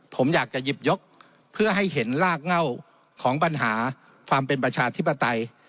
ผมอยากจะหยิบยกเพื่อให้เห็นรากเง่าของปัญหาความเป็นประชาธิปไตย